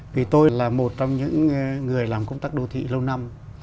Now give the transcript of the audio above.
vì tôi là một trong những người làm công tác đô thị lâu năm